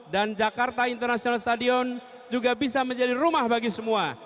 dan jakarta international stadion juga bisa menjadi rumah bagi semua